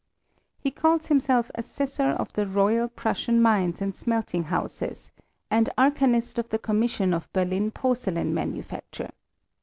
He calls himself Assessor of the Royal Prussian Mines and Smeltinghouses, and Arcanist of the Commission of Berlin Porcelain Manufacture.